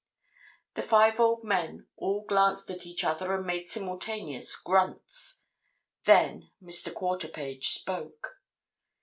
The five old men all glanced at each other and made simultaneous grunts. Then Mr. Quarterpage spoke.